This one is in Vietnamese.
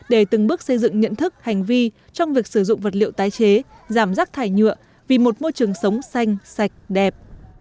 để từng bước xây dựng nhận thức hành vi trong việc sử dụng vật liệu tái chế giảm rác thải nhựa vì một môi trường sống xanh sạch đẹp